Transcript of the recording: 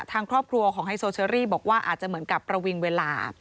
ทางครอบครัวของไฮโซเชอรี่บอกว่าอาจจะเหมือนกับประวิงเวลา